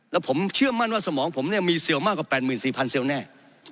แล้วผมเชื่อมั่นว่าสมองผมเนี่ยมีเซลล์มากกว่า๘๔๐๐เซลล์แน่